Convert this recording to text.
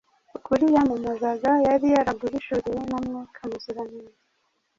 Ukuri yamamazaga yari yaraguhishuriwe na Mwuka Muziranenge,